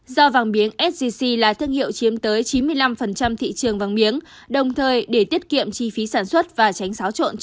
do vàng miếng sgc là thương hiệu chiếm tới chín mươi năm thị trường vàng miếng đồng thời để tiết kiệm chi phí sản xuất và tránh xáo trộn